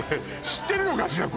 知ってるのかしら？